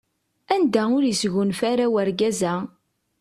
Anda ur isgunfa ara urgaz-a?